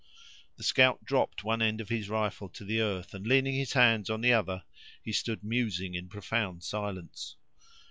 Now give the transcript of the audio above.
The scout dropped one end of his rifle to the earth, and leaning his hands on the other, he stood musing in profound silence.